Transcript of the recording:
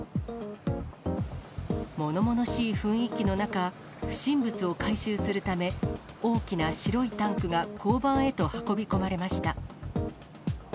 ものものしい雰囲気の中、不審物を回収するため、大きな白いタンクが交番へと運び込まれました。